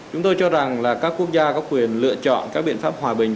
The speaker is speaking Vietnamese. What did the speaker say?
chúng tôi cho rằng là các quốc gia có quyền lựa chọn các biện pháp hòa bình